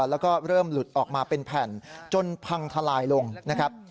แล้วก็เริ่มหลุดออกมาเป็นแผ่นจนพังทลายลงนะครับ